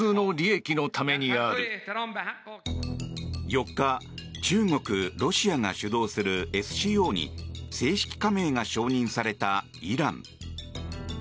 ４日、中国・ロシアが主導するＳＣＯに正式加盟が承認されたイラン。